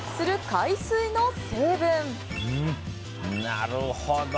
なるほど。